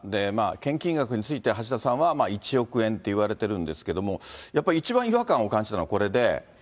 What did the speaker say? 献金額について、橋田さんは１億円と言われてるんですけど、やっぱり一番違和感を感じたのはこれで。